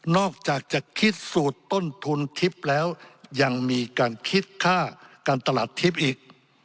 อกจากจะคิดสูตรต้นทุนทิพย์แล้วยังมีการคิดค่าการตลาดทิพย์อีก